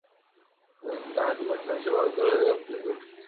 ডানহাতি ব্যাটসম্যান হিসেবে ভারত দলের হয়ে আন্তর্জাতিক ক্রিকেট খেলছেন।